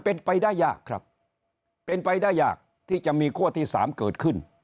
เป็นไปได้ยากครับเป็นไปได้ยากที่จะมีขั้วที่สามเกิดขึ้น